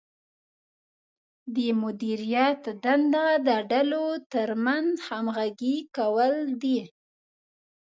د مدیریت دنده د ډلو ترمنځ همغږي کول دي.